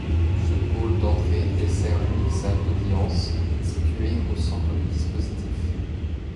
Ce hall d'entrée dessert l'unique salle d'audience située au centre du dispositif.